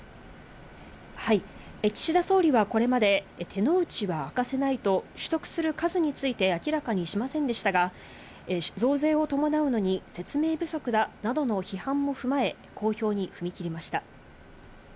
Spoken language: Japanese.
岸田総理はこれまで、手の内は明かせないと、取得する数について明らかにしませんでしたが、増税を伴うのに説明不足だなどの批判も踏まえ、公表に踏み切りました。